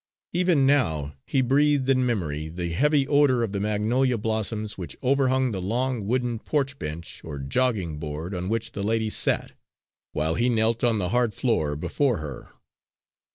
Even now, he breathed, in memory, the heavy odour of the magnolia blossoms which overhung the long wooden porch bench or "jogging board" on which the lady sat, while he knelt on the hard floor before her.